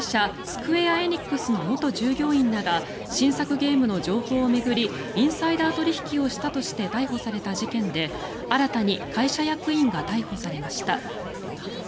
スクウェア・エニックスの元従業員らが新作ゲームの情報を巡りインサイダー取引をしたとして逮捕された事件で新たに会社役員が逮捕されました。